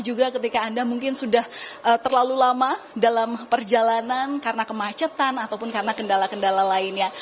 juga ketika anda mungkin sudah terlalu lama dalam perjalanan karena kemacetan ataupun karena kendala kendala lainnya